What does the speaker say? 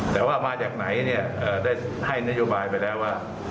แต่ว่ามาจากไหนเนี่ยได้ให้นโยบายไปแล้วว่า